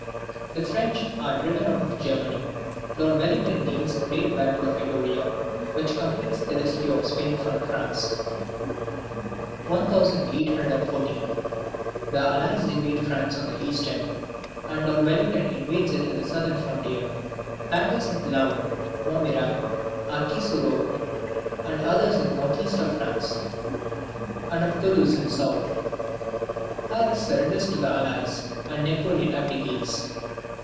The French are driven out of Germany. Lord Wellington gains the great battle of Vittoria, which completes the rescue of Spain from France. 1814. The Allies invade France on the eastern, and Lord Wellington invades it on the southern frontier. Battles of Laon, Montmirail, Arcis sur Aube, and others in the north east of France; and of Toulouse in the south. Paris surrenders to the Allies, and Napoleon abdicates.